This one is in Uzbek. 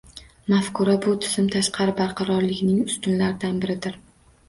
Mafkura bu - tizim tashqi barqarorligining ustunlaridan biridir.